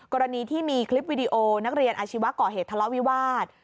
กรณีที่มีคลิปวิดีโอนักเรียนอาชีวะก่อเหตุทะเลาะวิวาส